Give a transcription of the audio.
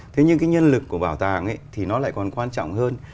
thế nhưng cái nhân lực của bảo tàng ấy thì nó lại còn quan trọng hơn